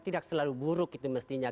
tidak selalu buruk itu mestinya